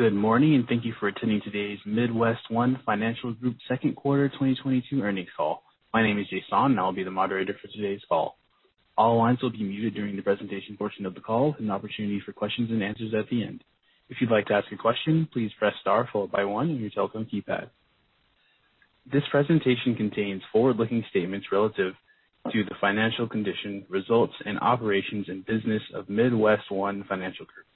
Good morning, and thank you for attending today's MidWestOne Financial Group second quarter 2022 earnings call. My name is Jason, and I'll be the moderator for today's call. All lines will be muted during the presentation portion of the call with an opportunity for questions and answers at the end. If you'd like to ask a question, please press star followed by one on your telephone keypad. This presentation contains forward-looking statements relative to the financial condition, results and operations and business of MidWestOne Financial Group.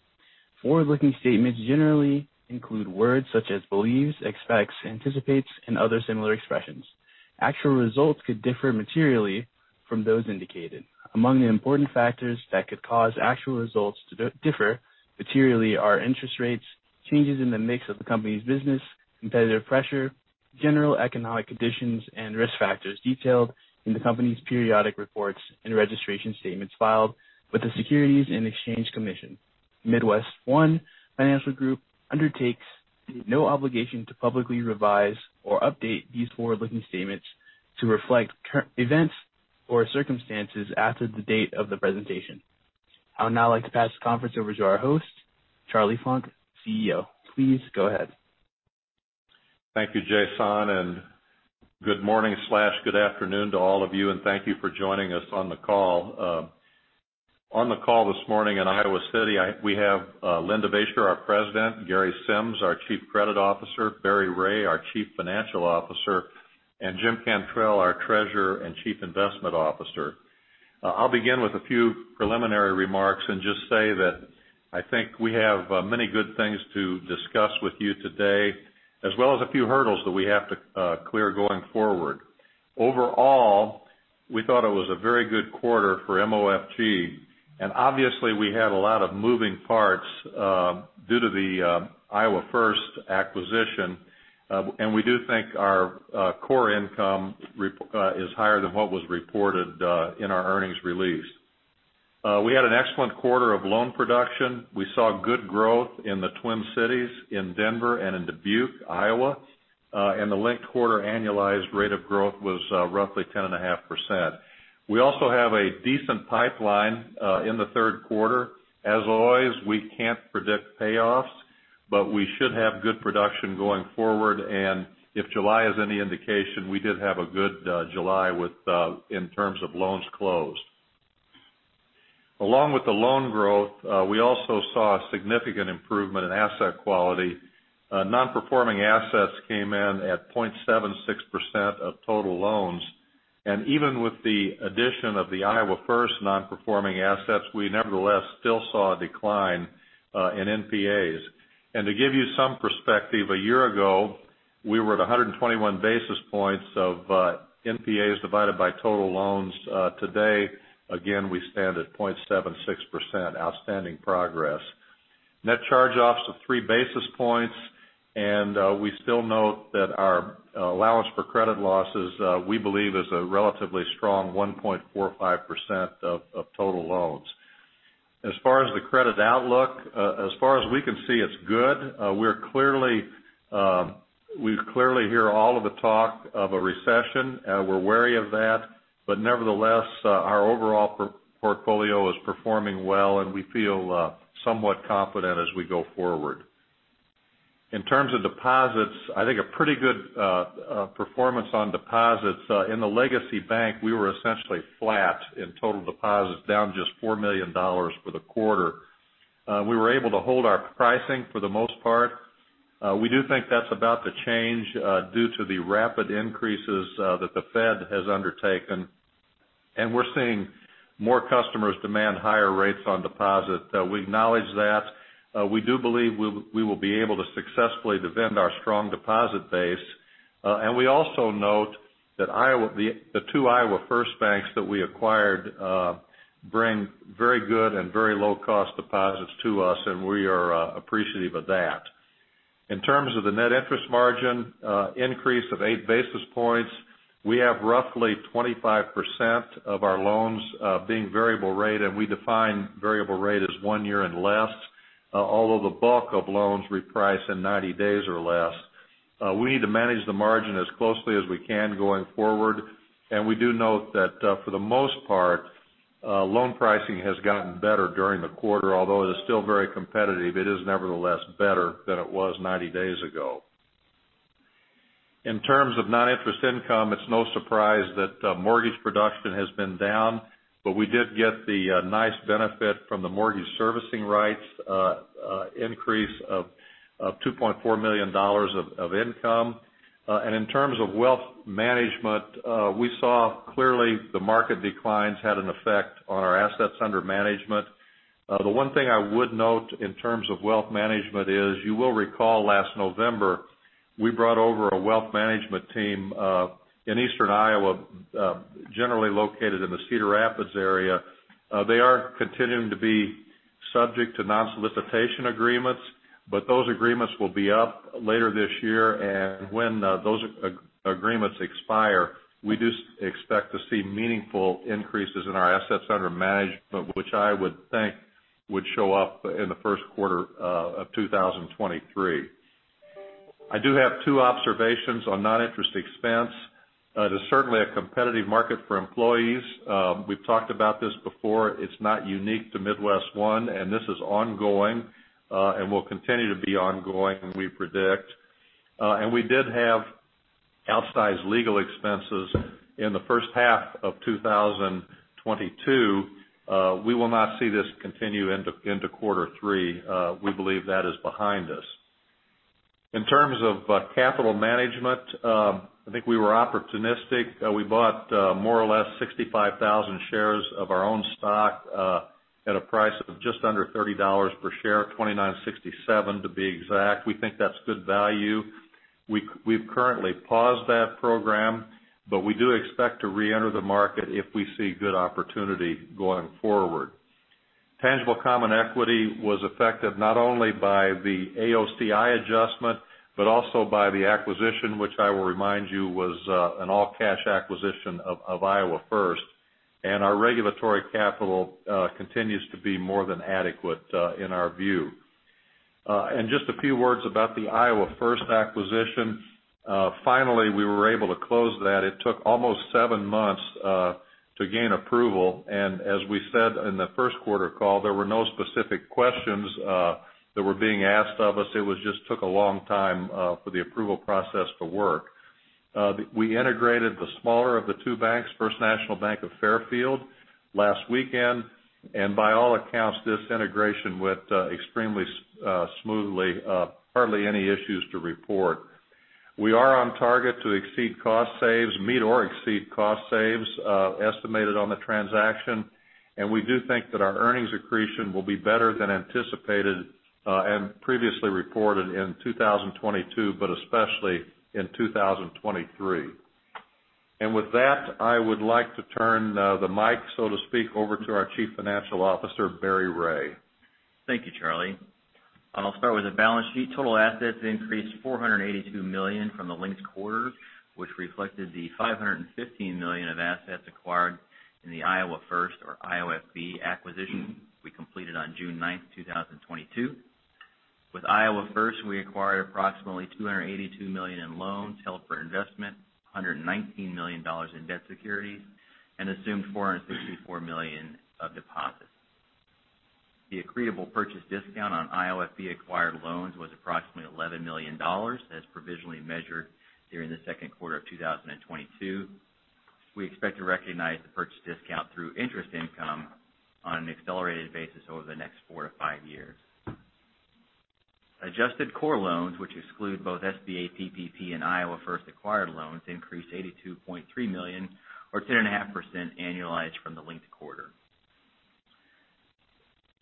Forward-looking statements generally include words such as believes, expects, anticipates and other similar expressions. Actual results could differ materially from those indicated. Among the important factors that could cause actual results to differ materially are interest rates, changes in the mix of the company's business, competitive pressure, general economic conditions, and risk factors detailed in the company's periodic reports and registration statements filed with the Securities and Exchange Commission. MidWestOne Financial Group undertakes no obligation to publicly revise or update these forward-looking statements to reflect current events or circumstances after the date of the presentation. I would now like to pass the conference over to our host, Charlie Funk, CEO. Please go ahead. Thank you, Jason, and good morning or good afternoon to all of you, and thank you for joining us on the call. On the call this morning in Iowa City, we have Len Devaisher, our President, Gary Sims, our Chief Credit Officer, Barry Ray, our Chief Financial Officer, and Jim Cantrell, our Treasurer and Chief Investment Officer. I'll begin with a few preliminary remarks and just say that I think we have many good things to discuss with you today, as well as a few hurdles that we have to clear going forward. Overall, we thought it was a very good quarter for MOFG, and obviously, we had a lot of moving parts due to the Iowa First acquisition. We do think our core income is higher than what was reported in our earnings release. We had an excellent quarter of loan production. We saw good growth in the Twin Cities, in Denver and in Dubuque, Iowa, and the linked-quarter annualized rate of growth was roughly 10.5%. We also have a decent pipeline in the third quarter. As always, we can't predict payoffs, but we should have good production going forward, and if July is any indication, we did have a good July with in terms of loans closed. Along with the loan growth, we also saw a significant improvement in asset quality. Non-performing assets came in at 0.76% of total loans. Even with the addition of the Iowa First non-performing assets, we nevertheless still saw a decline in NPAs. To give you some perspective, a year ago, we were at 121 basis points of NPAs divided by total loans. Today, again, we stand at 0.76%. Outstanding progress. Net charge-offs of 3 basis points, and we still note that our allowance for credit losses, we believe, is a relatively strong 1.45% of total loans. As far as the credit outlook, as far as we can see, it's good. We clearly hear all of the talk of a recession. We're wary of that, but nevertheless, our overall portfolio is performing well, and we feel somewhat confident as we go forward. In terms of deposits, I think a pretty good performance on deposits. In the legacy bank, we were essentially flat in total deposits, down just $4 million for the quarter. We were able to hold our pricing for the most part. We do think that's about to change, due to the rapid increases that the Fed has undertaken, and we're seeing more customers demand higher rates on deposit. We acknowledge that. We do believe we will be able to successfully defend our strong deposit base. We also note that Iowa, the two Iowa First banks that we acquired, bring very good and very low-cost deposits to us, and we are appreciative of that. In terms of the net interest margin increase of 8 basis points, we have roughly 25% of our loans being variable rate, and we define variable rate as one year and less, although the bulk of loans reprice in 90 days or less. We need to manage the margin as closely as we can going forward, and we do note that, for the most part, loan pricing has gotten better during the quarter. Although it is still very competitive, it is nevertheless better than it was 90 days ago. In terms of non-interest income, it's no surprise that mortgage production has been down, but we did get the nice benefit from the Mortgage Servicing Rights increase of $2.4 million of income. In terms of wealth management, we saw clearly the market declines had an effect on our assets under management. The one thing I would note in terms of wealth management is you will recall last November, we brought over a wealth management team in Eastern Iowa, generally located in the Cedar Rapids area. They are continuing to be subject to non-solicitation agreements, but those agreements will be up later this year. When those agreements expire, we just expect to see meaningful increases in our assets under management, which I would think would show up in the first quarter of 2023. I do have two observations on non-interest expense. It is certainly a competitive market for employees. We've talked about this before, it's not unique to MidWestOne, and this is ongoing, and will continue to be ongoing, we predict. We did have outsized legal expenses in the first half of 2022. We will not see this continue into quarter three. We believe that is behind us. In terms of capital management, I think we were opportunistic. We bought more or less 65,000 shares of our own stock at a price of just under $30 per share, $29.67 to be exact. We think that's good value. We've currently paused that program, but we do expect to re-enter the market if we see good opportunity going forward. Tangible Common Equity was affected not only by the AOCI adjustment, but also by the acquisition, which I will remind you was an all-cash acquisition of Iowa First. Our regulatory capital continues to be more than adequate in our view. Just a few words about the Iowa First acquisition. Finally, we were able to close that. It took almost seven months to gain approval. As we said in the first-quarter call, there were no specific questions that were being asked of us. It just took a long time for the approval process to work. We integrated the smaller of the two banks, First National Bank in Fairfield, last weekend. By all accounts, this integration went extremely smoothly. Hardly any issues to report. We are on target to meet or exceed cost savings estimated on the transaction. We do think that our earnings accretion will be better than anticipated and previously reported in 2022, but especially in 2023. With that, I would like to turn the mic, so to speak, over to our Chief Financial Officer, Barry Ray. Thank you, Charlie. I'll start with the balance sheet. Total assets increased $482 million from the linked quarter, which reflected the $515 million of assets acquired in the Iowa First or IOFB acquisition we completed on June 9, 2022. With Iowa First, we acquired approximately $282 million in loans held for investment, $119 million in debt securities, and assumed $464 million of deposits. The accretable purchase discount on IOFB acquired loans was approximately $11 million, as provisionally measured during the second quarter of 2022. We expect to recognize the purchase discount through interest income on an accelerated basis over the next four to five years. Adjusted core loans, which exclude both SBA, PPP, and Iowa First acquired loans, increased $82.3 million or 10.5% annualized from the linked quarter.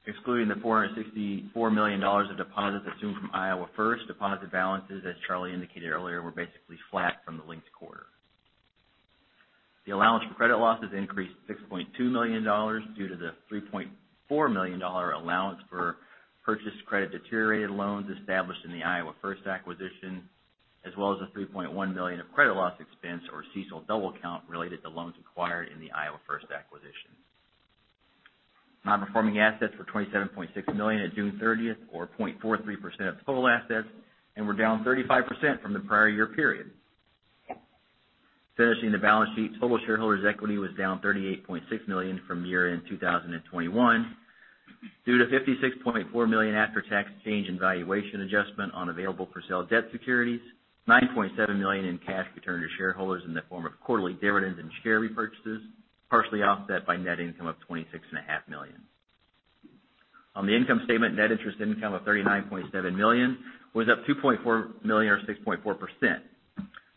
Excluding the $464 million of deposits assumed from Iowa First, deposit balances, as Charlie indicated earlier, were basically flat from the linked quarter. The allowance for credit losses increased $6.2 million due to the $3.4 million allowance for purchased credit-deteriorated loans established in the Iowa First acquisition, as well as the $3.1 million of credit loss expense or CECL double count related to loans acquired in the Iowa First acquisition. Non-performing assets were $27.6 million at June 30 or 0.43% of total assets, and were down 35% from the prior year period. Finishing the balance sheet, total shareholders' equity was down $38.6 million from year-end 2021 due to $56.4 million after-tax change in valuation adjustment on available-for-sale debt securities, $9.7 million in cash returned to shareholders in the form of quarterly dividends and share repurchases, partially offset by net income of $26.5 million. On the income statement, net interest income of $39.7 million was up $2.4 million or 6.4%.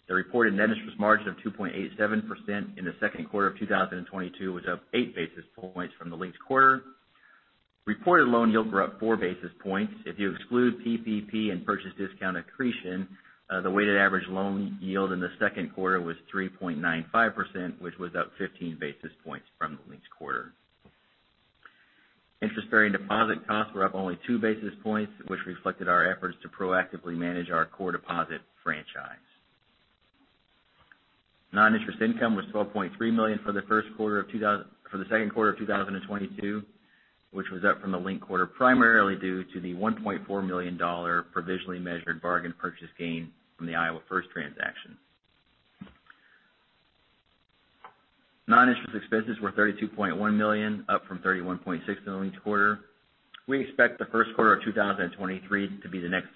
The reported net interest margin of 2.87% in the second quarter of 2022 was up 8 basis points from the linked quarter. Reported loan yields were up 4 basis points. If you exclude PPP and purchase discount accretion, the weighted-average loan yield in the second quarter was 3.95%, which was up 15 basis points from the linked quarter. Interest-bearing deposit costs were up only 2 basis points, which reflected our efforts to proactively manage our core deposit franchise. Non-interest income was $12.3 million for the second quarter of 2022, which was up from the linked quarter, primarily due to the $1.4 million provisionally measured bargain purchase gain from the Iowa First transaction. Non-interest expenses were $32.1 million, up from $31.6 million the linked quarter. We expect the first quarter of 2023 to be the next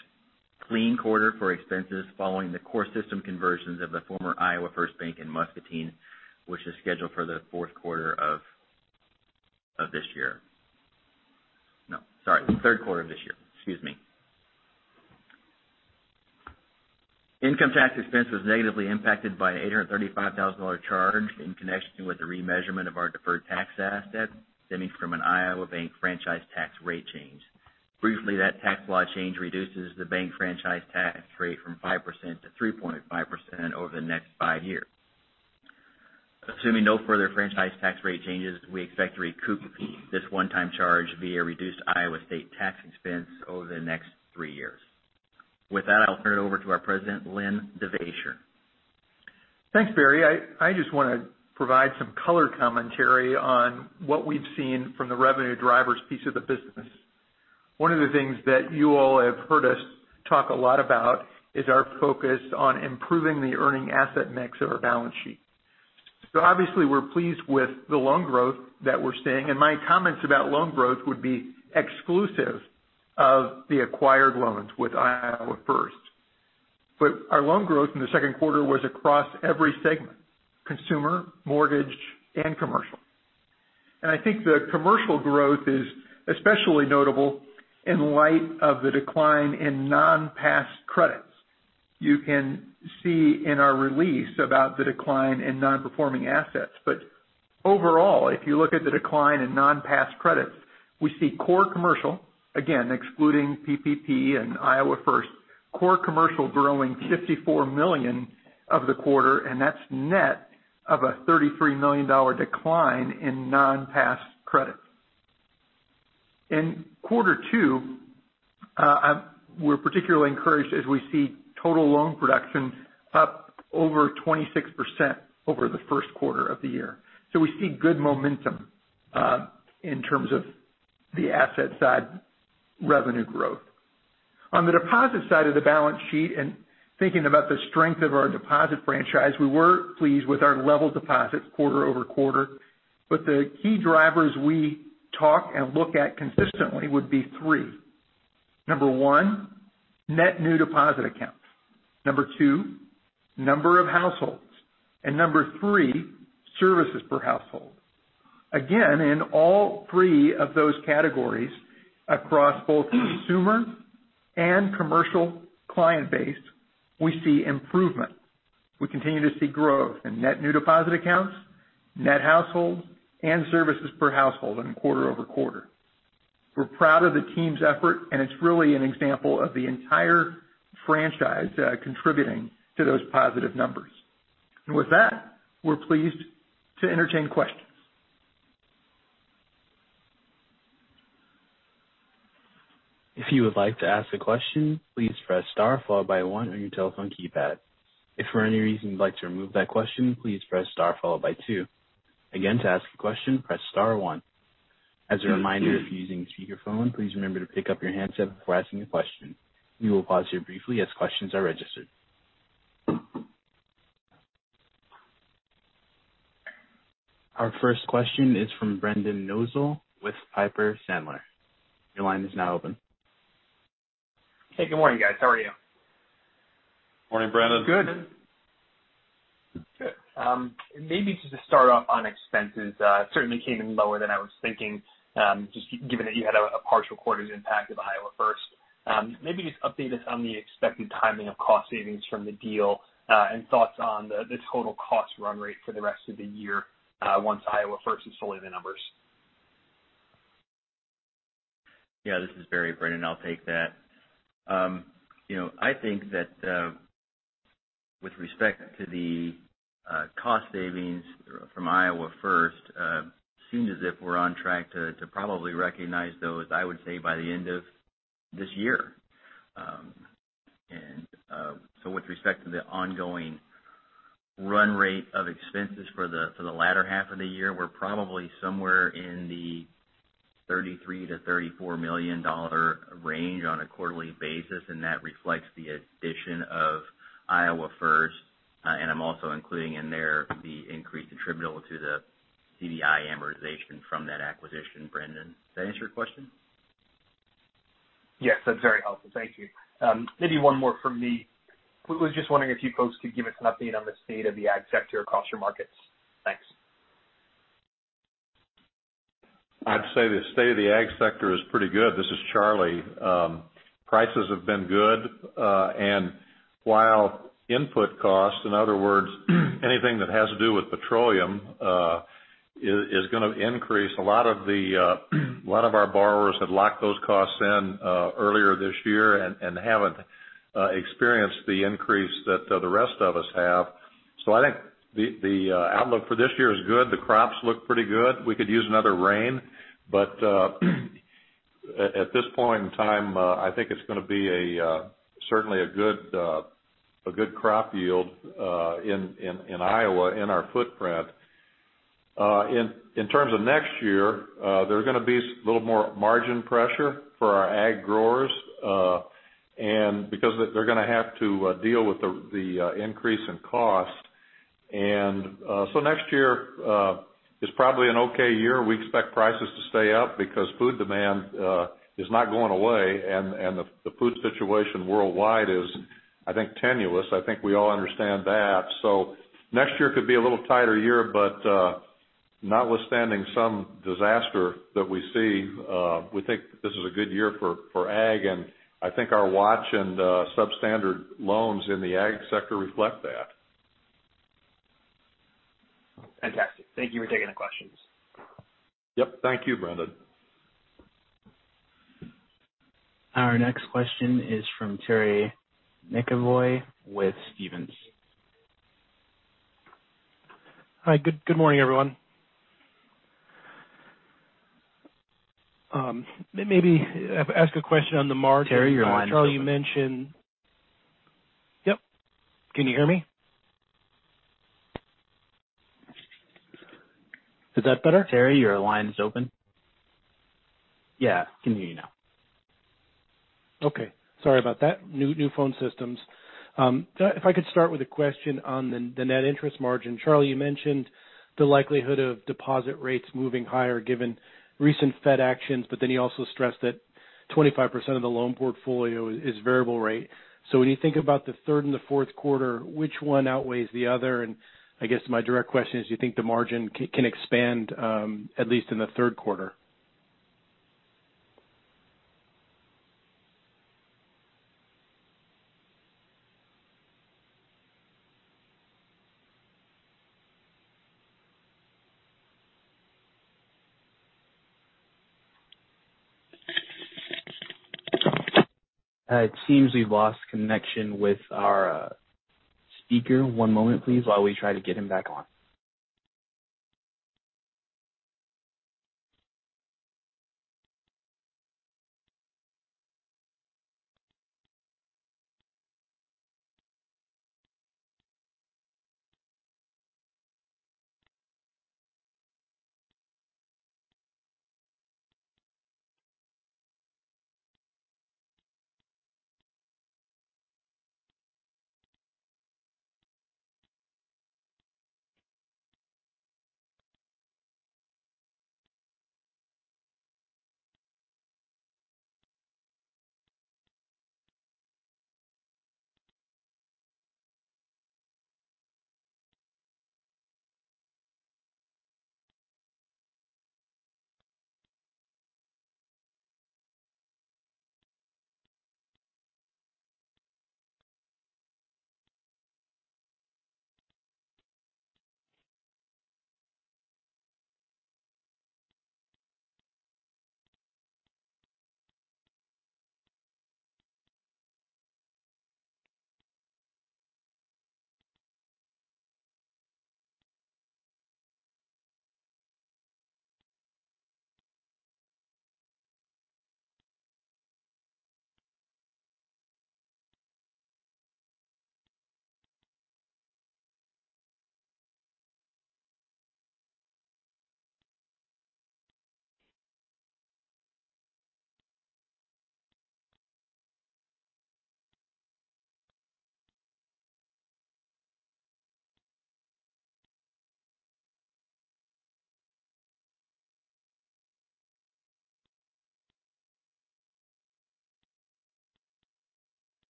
clean quarter for expenses following the core system conversions of the former First National Bank of Muscatine, which is scheduled for the third quarter of this year. Income tax expense was negatively impacted by $835,000 charge in connection with the remeasurement of our deferred tax asset stemming from an Iowa Bank Franchise Tax rate change. Briefly, that tax law change reduces the bank franchise tax rate from 5% to 3.5% over the next five years. Assuming no further franchise tax rate changes, we expect to recoup this one-time charge via reduced Iowa state tax expense over the next three years. With that, I'll turn it over to our president, Len Devaisher. Thanks, Barry. I just wanna provide some color commentary on what we've seen from the revenue drivers piece of the business. One of the things that you all have heard us talk a lot about is our focus on improving the earning asset mix of our balance sheet. Obviously we're pleased with the loan growth that we're seeing, and my comments about loan growth would be exclusive of the acquired loans with Iowa First. Our loan growth in the second quarter was across every segment, consumer, mortgage, and commercial. I think the commercial growth is especially notable in light of the decline in non-pass credits. You can see in our release about the decline in non-performing assets. Overall, if you look at the decline in non-pass credits, we see core commercial, again, excluding PPP and Iowa First, core commercial growing $54 million in the quarter, and that's net of a $33 million decline in non-pass credits. In quarter two, we're particularly encouraged as we see total loan production up over 26% over the first quarter of the year. We see good momentum in terms of the asset-side revenue growth. On the deposit side of the balance sheet, and thinking about the strength of our deposit franchise, we were pleased with our deposit levels quarter-over-quarter. The key drivers we talk and look at consistently would be three. Number one, net new deposit accounts. Number two, number of households. And number three, services per household. Again, in all three of those categories, across both consumer and commercial client base, we see improvement. We continue to see growth in net new deposit accounts, net households, and services per household in quarter-over-quarter. We're proud of the team's effort, and it's really an example of the entire franchise, contributing to those positive numbers. With that, we're pleased to entertain questions. If you would like to ask a question, please press star followed by one on your telephone keypad. If for any reason you'd like to remove that question, please press star followed by two. Again, to ask a question, press star one. As a reminder, if you're using speakerphone, please remember to pick up your handset before asking a question. We will pause here briefly as questions are registered. Our first question is from Brendan Nosal with Piper Sandler. Your line is now open. Hey, good morning, guys. How are you? Morning, Brendan. Good. Good. Maybe just to start off on expenses, certainly came in lower than I was thinking, just given that you had a partial quarter's impact of Iowa First. Maybe just update us on the expected timing of cost savings from the deal, and thoughts on the total cost run rate for the rest of the year, once Iowa First is fully in the numbers. Yeah, this is Barry Ray, Brendan Nosal, I'll take that. You know, I think that, with respect to the cost savings from Iowa First, seems as if we're on track to probably recognize those, I would say, by the end of this year. With respect to the ongoing run rate of expenses for the latter half of the year, we're probably somewhere in the $33 million-$34 million range on a quarterly basis, and that reflects the addition of Iowa First. I'm also including in there the increase attributable to the CDI amortization from that acquisition, Brendan Nosal. Does that answer your question? Yes. That's very helpful. Thank you. Maybe one more from me. I was just wondering if you folks could give us an update on the state of the ag sector across your markets. Thanks. I'd say the state of the ag sector is pretty good. This is Charlie Funk. Prices have been good. While input costs, in other words, anything that has to do with petroleum, is gonna increase, a lot of our borrowers had locked those costs in earlier this year and haven't experienced the increase that the rest of us have. I think the outlook for this year is good. The crops look pretty good. We could use another rain, but at this point in time, I think it's gonna be certainly a good crop yield in Iowa in our footprint. In terms of next year, there's gonna be little more margin pressure for our ag growers, and because they're gonna have to deal with the increase in cost. Next year is probably an okay year. We expect prices to stay up because food demand is not going away and the food situation worldwide is, I think, tenuous. I think we all understand that. Next year could be a little tighter year, but notwithstanding some disaster that we see, we think this is a good year for ag, and I think our watch and substandard loans in the ag sector reflect that. Fantastic. Thank you for taking the questions. Yep. Thank you, Brendan. Our next question is from Terry McEvoy with Stephens. Hi. Good morning, everyone. Maybe ask a question on the margin. Terry, your line's open. Charlie, you mentioned. Yep. Can you hear me? Is that better? Terry, your line is open. Can hear you now. Okay. Sorry about that. New phone systems. If I could start with a question on the net interest margin. Charlie, you mentioned the likelihood of deposit rates moving higher given recent Fed actions, but then you also stressed that 25% of the loan portfolio is variable rate. When you think about the third and the fourth quarter, which one outweighs the other? I guess my direct question is, do you think the margin can expand at least in the third quarter? It seems we've lost connection with our speaker. One moment please, while we try to get him back on.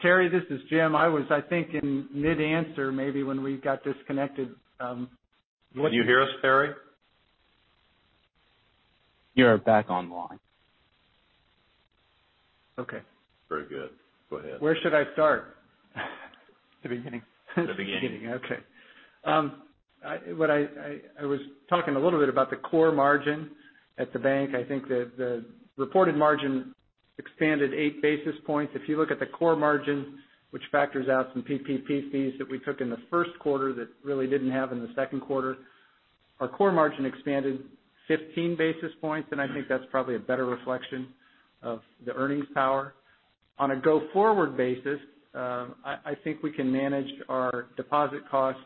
Terry, this is Jim. I was, I think, in mid-answer maybe when we got disconnected. Can you hear us, Terry? You are back online. Okay. Very good. Go ahead. Where should I start? The beginning. The beginning. What I was talking a little bit about the core margin at the bank. I think that the reported margin expanded 8 basis points. If you look at the core margin, which factors out some PPP fees that we took in the first quarter that really didn't have in the second quarter, our core margin expanded 15 basis points, and I think that's probably a better reflection of the earnings power. On a go-forward basis, I think we can manage our deposit cost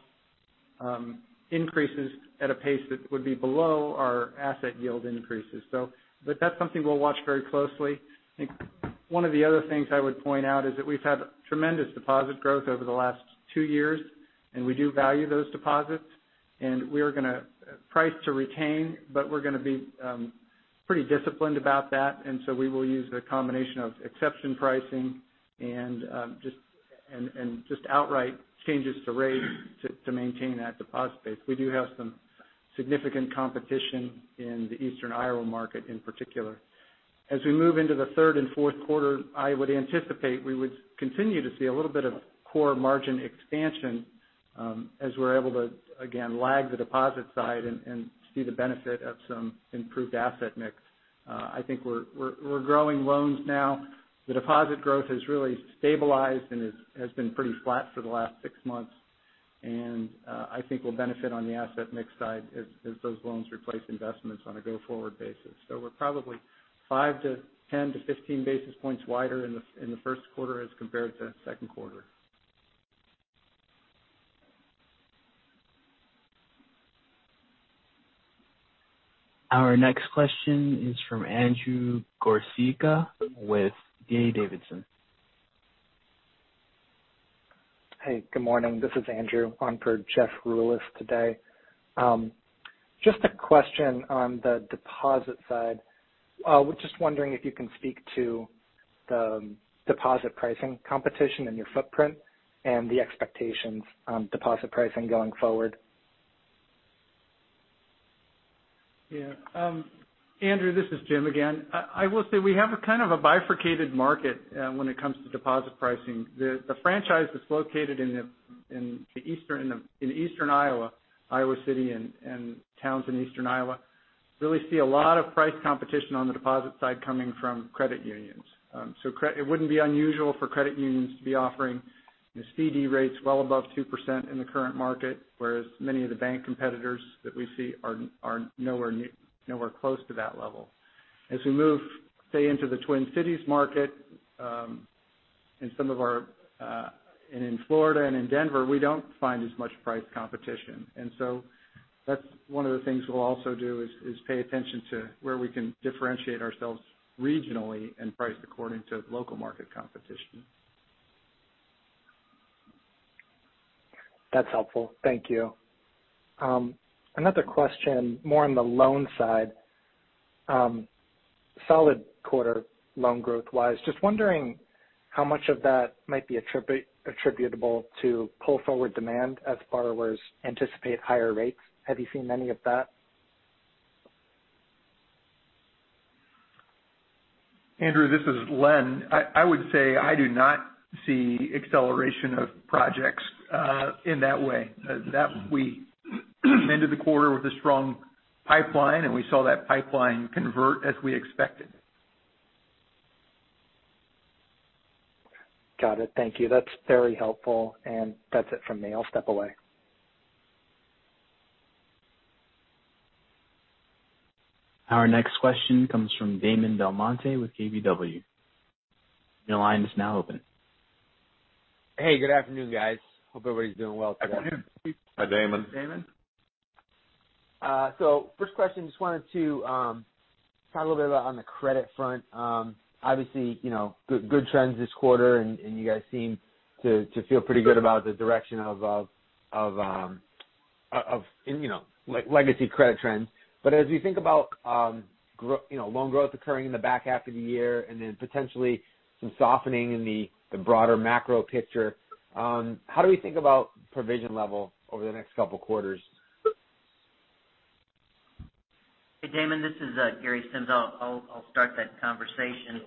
increases at a pace that would be below our asset yield increases. But that's something we'll watch very closely. I think one of the other things I would point out is that we've had tremendous deposit growth over the last two years, and we do value those deposits, and we're gonna price to retain, but we're gonna be pretty disciplined about that, and so we will use a combination of exception pricing and just outright changes to rate to maintain that deposit base. We do have some significant competition in the Eastern Iowa market in particular. As we move into the third and fourth quarter, I would anticipate we would continue to see a little bit of core margin expansion, as we're able to again lag the deposit side and see the benefit of some improved asset mix. I think we're growing loans now. The deposit growth has really stabilized and has been pretty flat for the last six months. I think we'll benefit on the asset mix side as those loans replace investments on a go-forward basis. We're probably 5 to 10 to 15 basis points wider in the first quarter as compared to second quarter. Our next question is from Andrew Liesch with D.A. Davidson. Hey, good morning. This is Andrew on for Jeff Rulis today. Just a question on the deposit side. Was just wondering if you can speak to the deposit pricing competition in your footprint and the expectations on deposit pricing going forward. Yeah. Andrew, this is Jim again. I will say we have a kind of a bifurcated market when it comes to deposit pricing. The franchise is located in Eastern Iowa City and towns in Eastern Iowa really see a lot of price competition on the deposit side coming from credit unions. So it wouldn't be unusual for credit unions to be offering the CD rates well above 2% in the current market, whereas many of the bank competitors that we see are nowhere close to that level. As we move, say, into the Twin Cities market, in some of our and in Florida and in Denver, we don't find as much price competition. That's one of the things we'll also do is pay attention to where we can differentiate ourselves regionally and price according to local market competition. That's helpful. Thank you. Another question, more on the loan side. Solid quarter loan growth-wise. Just wondering how much of that might be attributable to pull forward demand as borrowers anticipate higher rates. Have you seen any of that? Andrew, this is Len. I would say I do not see acceleration of projects in that way. That we ended the quarter with a strong pipeline, and we saw that pipeline convert as we expected. Got it. Thank you. That's very helpful. That's it from me. I'll step away. Our next question comes from Damon DelMonte with KBW. Your line is now open. Hey, good afternoon, guys. Hope everybody's doing well today. Hi, Damon. Hi, Damon. First question, just wanted to talk a little bit about the credit front. Obviously, you know, good trends this quarter, and you guys seem to feel pretty good about the direction of you know legacy credit trends. As we think about you know loan growth occurring in the back half of the year and then potentially some softening in the broader macro picture, how do we think about provision level over the next couple quarters? Hey, Damon, this is Gary Sims. I'll start that conversation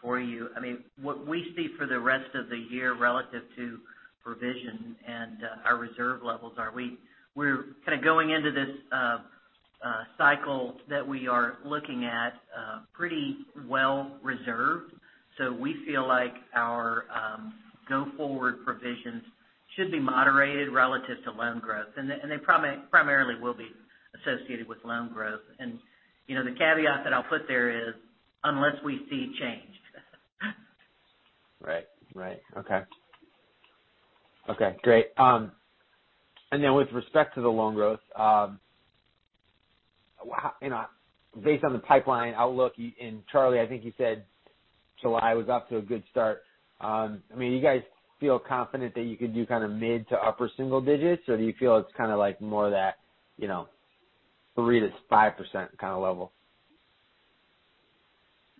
for you. I mean, what we see for the rest of the year relative to provision and our reserve levels, we're kind of going into this cycle that we are looking at pretty well reserved. We feel like our go-forward provisions should be moderated relative to loan growth. They primarily will be associated with loan growth. You know, the caveat that I'll put there is, unless we see change. Right. Okay, great. And then with respect to the loan growth, how, you know, based on the pipeline outlook, and Charlie, I think you said July was off to a good start. I mean, you guys feel confident that you could do kind of mid to upper single digits, or do you feel it's kind of like more that, you know, 3%-5% kind of level?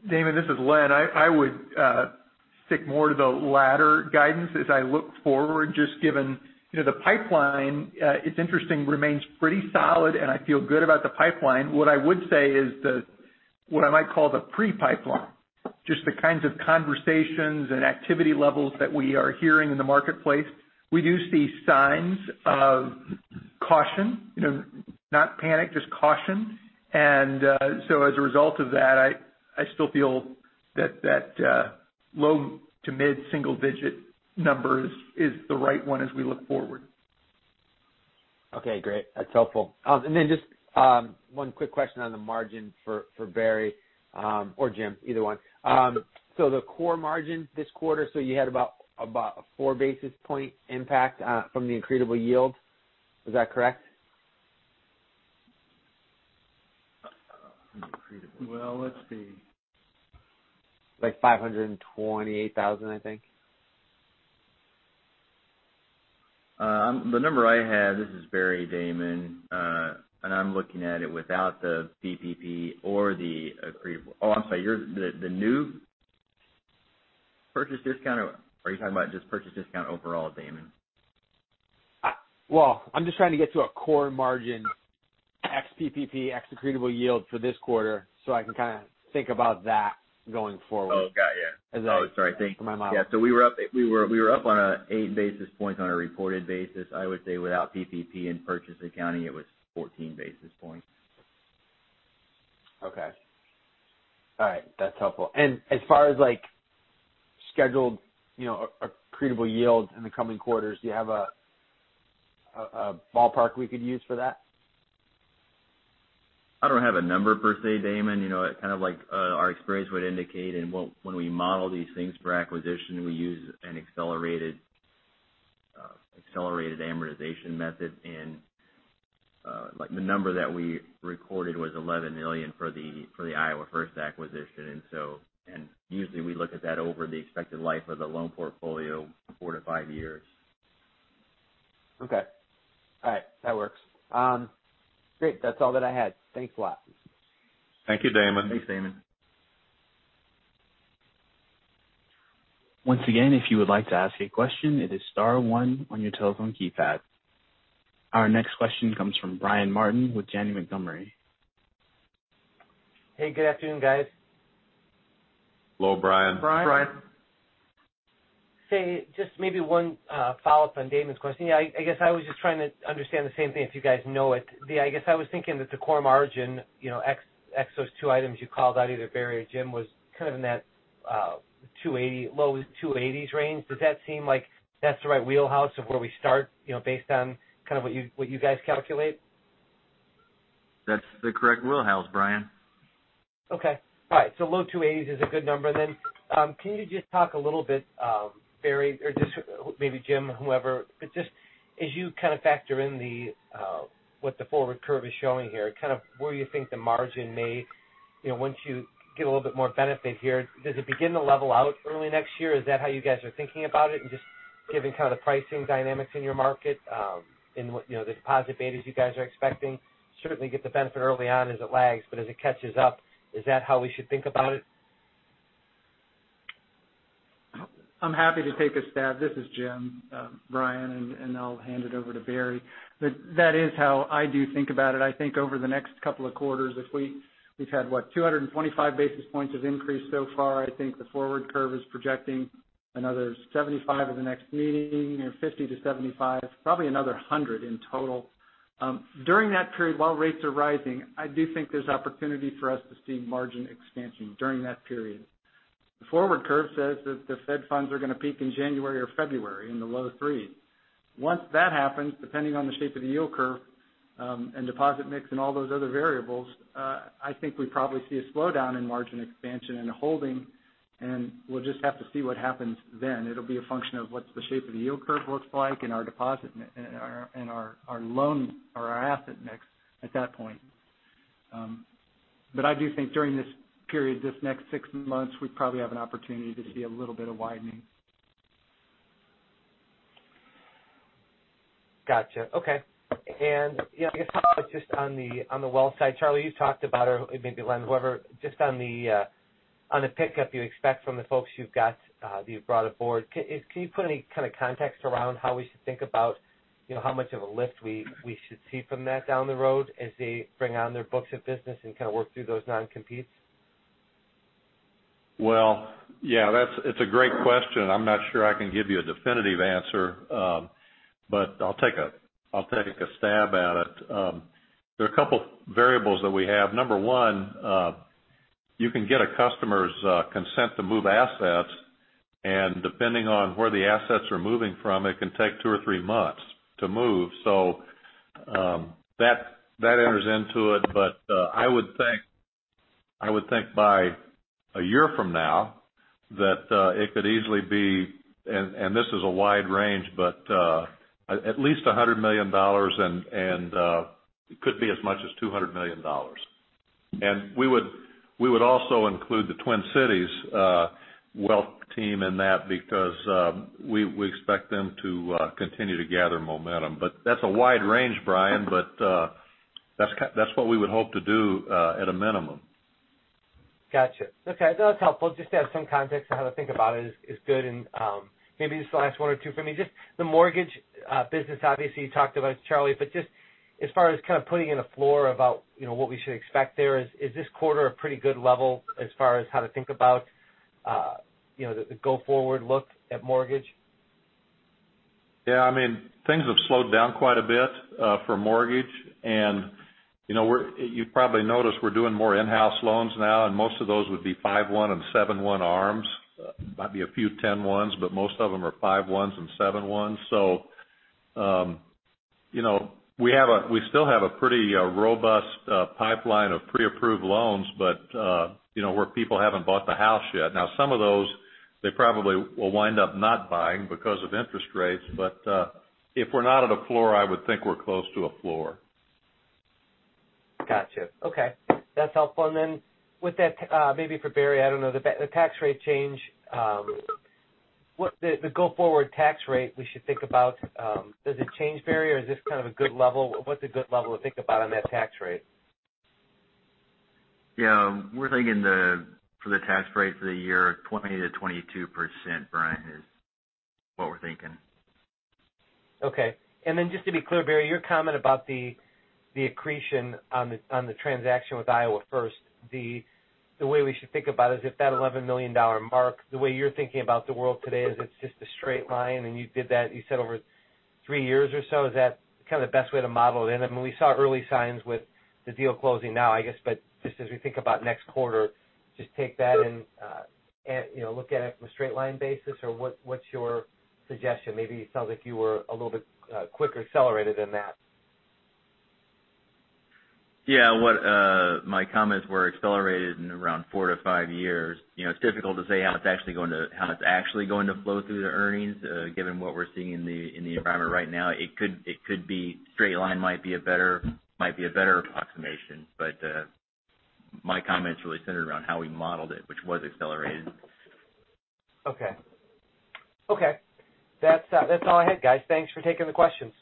Damon DelMonte, this is Len Devaisher. I would stick more to the latter guidance as I look forward, just given, you know, the pipeline, it's interesting, remains pretty solid, and I feel good about the pipeline. What I would say is the what I might call the pre-pipeline, just the kinds of conversations and activity levels that we are hearing in the marketplace. We do see signs of caution, you know, not panic, just caution. So as a result of that, I still feel that that low to mid single digit numbers is the right one as we look forward. Okay, great. That's helpful. Just one quick question on the margin for Barry or Jim, either one. The core margin this quarter, you had about a 4 basis point impact from the accretable yield. Is that correct? Accretable. Well, let's see. Like $528,000, I think. The number I have, this is Barry, Damon, and I'm looking at it without the PPP or the accretable. Oh, I'm sorry. You're the new purchase discount or are you talking about just purchase discount overall, Damon? Well, I'm just trying to get to a core margin ex PPP, ex accretable yield for this quarter, so I can kind of think about that going forward. Oh, got you. As I- Oh, sorry. Thank you. For my model. We were up 8 basis points on a reported basis. I would say without PPP and purchase accounting, it was 14 basis points. Okay. All right. That's helpful. As far as, like, scheduled, you know, accrual yield in the coming quarters, do you have a ballpark we could use for that? I don't have a number per se, Damon. You know, kind of like, our experience would indicate and when we model these things for acquisition, we use an accelerated amortization method. Like, the number that we recorded was $11 million for the Iowa First acquisition. Usually we look at that over the expected life of the loan portfolio, four to five years. Okay. All right. That works. Great. That's all that I had. Thanks a lot. Thank you, Damon. Thanks, Damon. Once again, if you would like to ask a question, it is star one on your telephone keypad. Our next question comes from Brian Martin with Janney Montgomery. Hey, good afternoon, guys. Hello, Brian. Brian. Say, just maybe one follow-up on Damon's question. Yeah, I guess I was just trying to understand the same thing, if you guys know it. I guess I was thinking that the core margin, you know, ex those two items you called out, either Barry or Jim, was kind of in that 2.80%, low 2.80s% range. Does that seem like that's the right wheelhouse of where we start, you know, based on kind of what you guys calculate? That's the correct wheelhouse, Brian. Okay. All right. Low 2.80s% is a good number then. Can you just talk a little bit, Barry, or just maybe Jim, whoever, but just as you kind of factor in the what the forward curve is showing here, kind of where you think the margin may, you know, once you get a little bit more benefit here, does it begin to level out early next year? Is that how you guys are thinking about it? Just given kind of the pricing dynamics in your market, in what, you know, the deposit betas you guys are expecting, certainly get the benefit early on as it lags, but as it catches up, is that how we should think about it? I'm happy to take a stab. This is Jim, Brian, and I'll hand it over to Barry. That is how I do think about it. I think over the next couple of quarters, we've had, what, 225 basis points of increase so far. I think the forward curve is projecting another 75 at the next meeting or 50-75, probably another 100 in total. During that period, while rates are rising, I do think there's opportunity for us to see margin expansion during that period. The forward curve says that the Fed funds are going to peak in January or February in the low 3s. Once that happens, depending on the shape of the yield curve, and deposit mix and all those other variables, I think we probably see a slowdown in margin expansion and a holding, and we'll just have to see what happens then. It'll be a function of what the shape of the yield curve looks like and our deposit and our loan or our asset mix at that point. I do think during this period, this next six months, we probably have an opportunity to see a little bit of widening. Gotcha. Okay. Yeah, I guess just on the wealth side. Charlie, you talked about or maybe Len, whoever, just on the pickup you expect from the folks you've got that you've brought aboard, can you put any kind of context around how we should think about, you know, how much of a lift we should see from that down the road as they bring on their books of business and kind of work through those non-competes? Well, yeah, that's a great question. I'm not sure I can give you a definitive answer. But I'll take a stab at it. There are a couple variables that we have. Number one, you can get a customer's consent to move assets, and depending on where the assets are moving from, it can take two or three months to move. That enters into it. But I would think by a year from now that it could easily be, and this is a wide range, but at least $100 million and could be as much as $200 million. We would also include the Twin Cities wealth team in that because we expect them to continue to gather momentum. That's a wide range, Brian, but that's what we would hope to do at a minimum. Gotcha. Okay. That's helpful. Just to have some context on how to think about it is good. Maybe just the last one or two for me, just the mortgage business obviously you talked about, Charlie, but just as far as kind of putting in a floor about, you know, what we should expect there, is this quarter a pretty good level as far as how to think about, you know, the go-forward look at mortgage? Yeah. I mean, things have slowed down quite a bit for mortgage. You know, you probably noticed we're doing more in-house loans now, and most of those would be five one and seven one ARMs. Might be a few ten ones, but most of them are five ones and seven ones. You know, we still have a pretty robust pipeline of pre-approved loans, but you know, where people haven't bought the house yet. Now, some of those, they probably will wind up not buying because of interest rates, but if we're not at a floor, I would think we're close to a floor. Gotcha. Okay. That's helpful. With that, maybe for Barry, I don't know, the tax rate change, what the go-forward tax rate we should think about, does it change, Barry, or is this kind of a good level? What's a good level to think about on that tax rate? Yeah. We're thinking for the tax rate for the year, 20%-22%, Brian, is what we're thinking. Okay. Just to be clear, Barry, your comment about the accretion on the transaction with Iowa First, the way we should think about is if that $11 million mark, the way you're thinking about the world today is it's just a straight line, and you did that, you said over three years or so. Is that kind of the best way to model it? When we see early signs with the deal closing now, I guess, but just as we think about next quarter, just take that and you know, look at it from a straight line basis or what's your suggestion? Maybe it sounds like you were a little bit quicker accelerated than that. Yeah. What my comments were accelerated in around four to five years. You know, it's difficult to say how it's actually going to flow through the earnings, given what we're seeing in the environment right now. It could be straight line might be a better approximation. My comments really centered around how we modeled it, which was accelerated. Okay. That's all I had, guys. Thanks for taking the questions.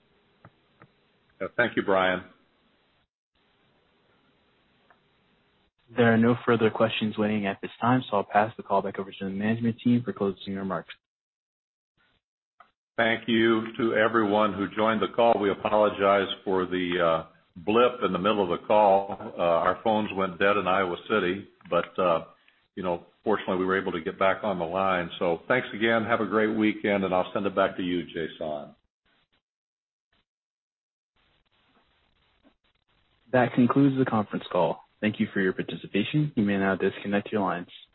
Thank you, Brian. There are no further questions waiting at this time, so I'll pass the call back over to the management team for closing remarks. Thank you to everyone who joined the call. We apologize for the blip in the middle of the call. Our phones went dead in Iowa City, but you know, fortunately, we were able to get back on the line. Thanks again. Have a great weekend, and I'll send it back to you, Jason. That concludes the conference call. Thank you for your participation. You may now disconnect your lines.